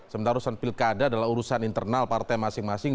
sementara urusan pilkada adalah urusan internal partai masing masing